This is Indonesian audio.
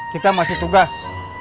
kita masih tugas